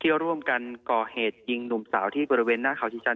ร่วมกันก่อเหตุยิงหนุ่มสาวที่บริเวณหน้าเขาชีจันท